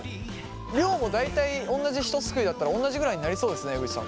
量も大体同じ一すくいだったら同じぐらいになりそうですね江口さん